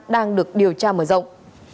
đang được điều tra mở rộng